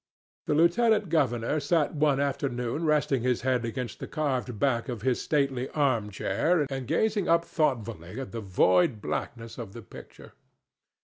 The lieutenant governor sat one afternoon resting his head against the carved back of his stately arm chair and gazing up thoughtfully at the void blackness of the picture.